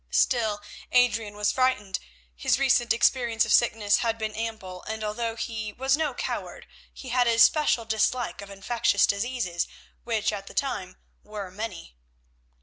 Still Adrian was frightened. His recent experience of sickness had been ample, and although he was no coward he had a special dislike of infectious diseases, which at the time were many.